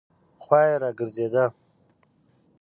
خوا یې راګرځېده.